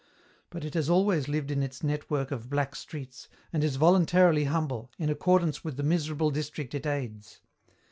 But it has always lived in its network of black streets, and is voluntarily humble, in accordance with the miserable district it aids.